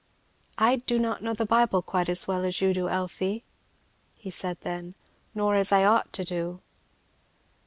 "I do not know the Bible quite as well as you do, Elfie," he said then, "nor as I ought to do."